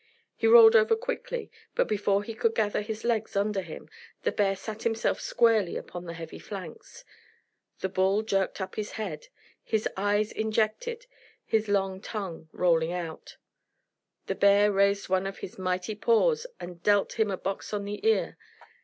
He rolled over quickly, but before he could gather his legs under him, the bear sat himself squarely upon the heavy flanks. The bull jerked up his head, his eyes injected, his tongue rolling out. The bear raised one of his mighty paws and dealt him a box on the ear.